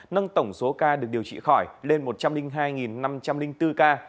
nâng tổng số ca được điều trị khỏi lên một trăm linh hai năm trăm linh bốn ca